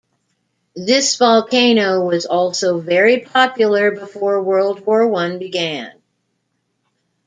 This volcano was also very popular before World War One began.